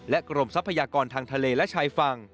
กรมทรัพยากรทางทะเลและชายฝั่ง